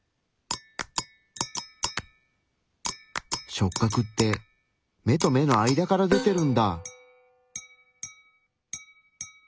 触角って目と目の間から出てるんだ。